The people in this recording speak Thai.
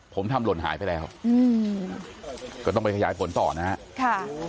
ผมทำหล่นหายไปแล้วก็ต้องไปขยายผลต่อนะฮะค่ะ